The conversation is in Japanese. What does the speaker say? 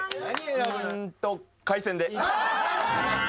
うんと海鮮で・ああ